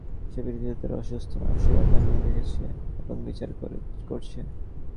সে পৃথিবীকে তার অসুস্থ মানসিকতা নিয়ে দেখছে এবং বিচার করছে।